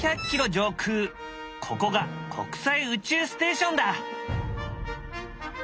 上空ここが国際宇宙ステーションだ。